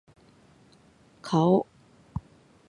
顔